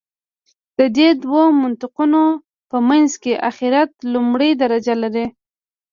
د دې دوو منطقونو په منځ کې آخرت لومړۍ درجه لري.